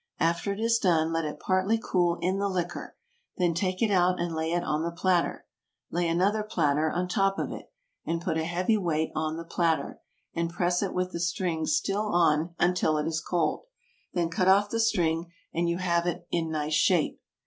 After it is done let it partly cool in the liquor; then take it out and lay it on the platter; lay another platter on top of it, and put a heavy weight on the platter, and press it with the string still on until it is cold; then cut off the string and you have it in nice shape.